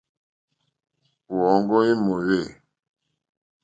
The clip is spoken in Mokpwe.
Wɔ̂ŋɡɔ́ í mòwê.